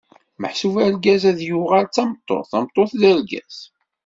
Meḥsub argaz ad d-yuɣal d tameṭṭut, tameṭṭut d argaz.